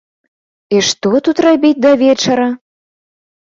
І што тут рабіць да вечара?